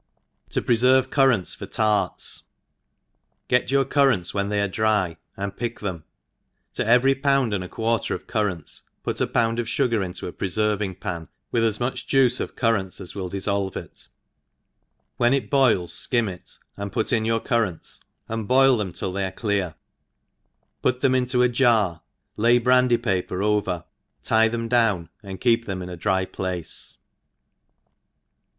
^0 preferve CvRRAHTB/or Tarts, GET your currants when they are dry, and pick them ; to every pound and a quarter of cur rants^ put a pound of fugar into a preferving pan, with as much juice of currants as willdiiTolve it, when it boils ikim it, and put in your cur rants, and boil them till they are clear ; put them into ajar, lay brandy paper over, tie them f}own, and keep them in a dry place.